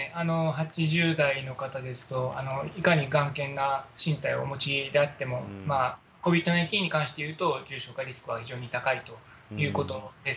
８０代の方ですと、いかに頑健な身体をお持ちであっても、ＣＯＶＩＤー１９に関して言うと、重症化リスクは非常に高いということです。